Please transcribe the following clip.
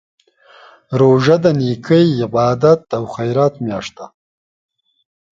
روژه د نېکۍ، عبادت او خیرات میاشت ده.